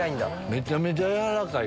めちゃめちゃ軟らかい。